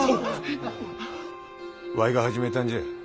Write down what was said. わいが始めたんじゃ。